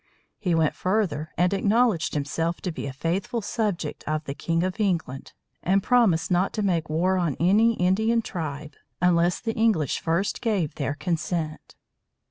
He went further, and acknowledged himself to be a faithful subject of the King of England, and promised not to make war on any Indian tribe unless the English first gave their consent.